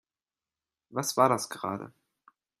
Was war das gerade?